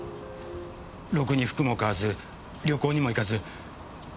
ろくに服も買わず旅行にも行かず。